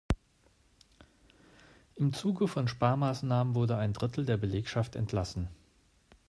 Im Zuge von Sparmaßnahmen wurde ein Drittel der Belegschaft entlassen.